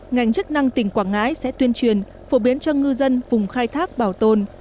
ngành chức năng tỉnh quảng ngãi sẽ tuyên truyền phổ biến cho ngư dân vùng khai thác bảo tồn